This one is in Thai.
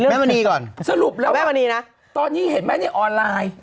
แม่มณีก่อนสรุปแล้วแม่มณีนะตอนนี้เห็นไหมในออนไลน์